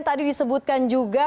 tadi disebutkan juga